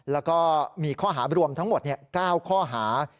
แล้วก็มีข้อหารวมทั้งหมด๙ข้อหา